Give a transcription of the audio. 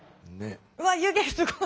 わっ湯気すごい。